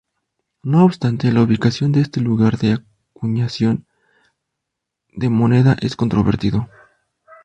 No obstante, la ubicación de este lugar de acuñación de moneda es controvertido.